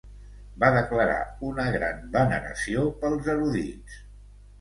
Va declarar una gran veneració pels erudits.